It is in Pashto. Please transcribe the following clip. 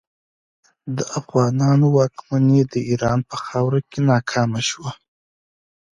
د افغانانو واکمني د ایران په خاوره کې ناکامه شوه.